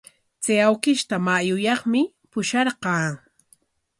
Chay awkishta mayuyaqmi pusharqaa.